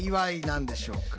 何でしょうか？